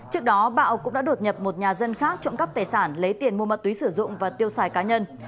trước đó bạo cũng đã đột nhập một nhà dân khác trộm cắp tài sản lấy tiền mua ma túy sử dụng và tiêu xài cá nhân